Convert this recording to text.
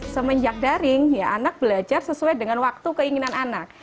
semenjak daring anak belajar sesuai dengan waktu keinginan anak